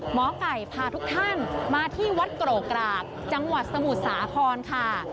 หมอไก่พาทุกท่านมาที่วัดโกรกกรากจังหวัดสมุทรสาครค่ะ